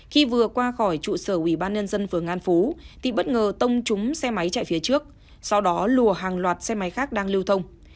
khi vừa qua khỏi trụ sở ủy ban nhân dân phường an phú thì bất ngờ tông trúng xe máy chạy phía trước sau đó lùa hàng loạt xe máy khác đang lưu thông